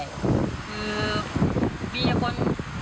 คือมีคน